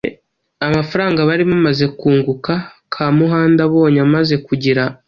amafaranga bari bamaze kunguka, Kamuhanda abonye amaze kugira